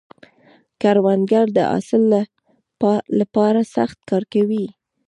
کروندګر د حاصل له پاره سخت کار کوي